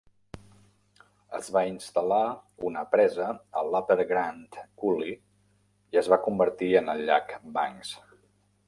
Es va instal·lar una presa a l'Upper Grand Coulee i es va convertir en el llac Banks.